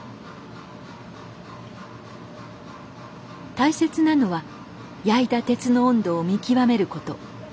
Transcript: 大切なのは焼いた鉄の温度を見極めること。